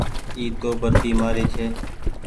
اي تو بتي مآري ڇي۔